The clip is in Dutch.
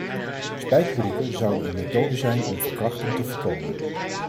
Spijkerbroeken zouden een methode zijn om verkrachting te voorkomen.